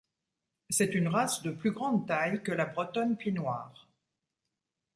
C'est une race de plus grande taille que la bretonne pie noir.